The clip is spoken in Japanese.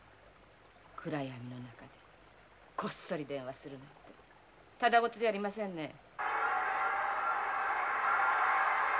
暗闇の中でこっそり電話するなんてただごとじゃありませんね！